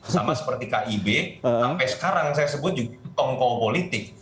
sama seperti kib sampai sekarang saya sebut juga tongko politik